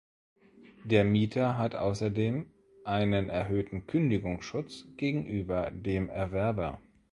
Der Mieter hat außerdem einen erhöhten Kündigungsschutz gegenüber dem Erwerber.